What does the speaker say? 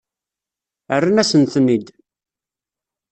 Rran-asen-ten-id.